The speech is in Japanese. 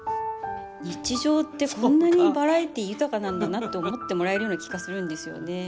日常ってこんなにバラエティー豊かなんだなって思ってもらえるような気がするんですよね。